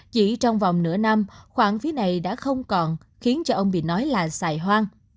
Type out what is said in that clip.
chỉ trong vòng nửa năm khoản phí này đã không còn khiến cho ông bị nói là sài hoang